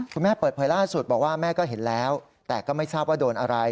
คุณแม่เปิดเผยล่าสุดบอกว่าแม่ก็เห็นแล้วแต่ก็ไม่ทราบว่าโดนอะไร